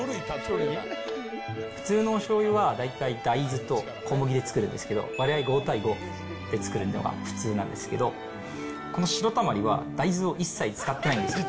普通のおしょうゆは大体大豆と小麦で作るんですけど、割合５対５で作るのが普通なんですけど、このしろたまりは、大豆を一切使ってないんです。